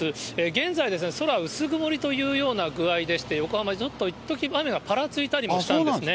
現在ですね、空、薄曇りというような具合でして、横浜、ちょっといっとき、雨がぱらついたりもしたんですね。